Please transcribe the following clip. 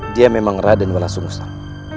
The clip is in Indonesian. dia memang rada nuala sungsang